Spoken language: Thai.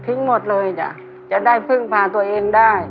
หมดเลยจ้ะจะได้พึ่งพาตัวเองได้